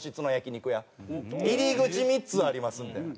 入り口３つありますみたいな。